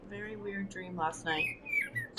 I had a very weird dream last night.